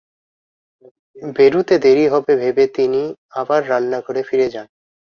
বেরুতে দেরি হবে ভেবে তিনি আবার ব্লান্নাঘরে ফিরে যান।